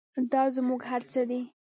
دا زموږ هر څه دی؟